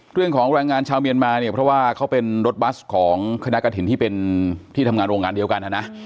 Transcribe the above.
เรื่องของแรงงานชาวเมียนมาเนี่ยเพราะว่าเขาเป็นรถบัสของคณะกระถิ่นที่เป็นที่ทำงานโรงงานเดียวกันนะนะ